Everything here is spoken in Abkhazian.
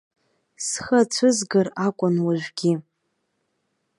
Схы ацәызгар акәын уажәгьы.